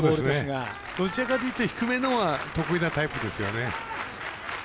どちらかというと低めのほうが得意なタイプですよね。